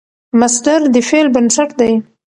مصدر د فعل بنسټ دئ.